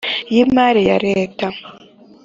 y imari ya Leta